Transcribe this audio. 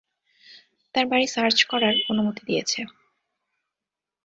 তার বাড়ি সার্চ করার অনুমতি দিয়েছে।